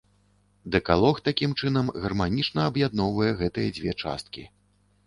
Дэкалог такім чынам гарманічна аб'ядноўвае гэтыя дзве часткі.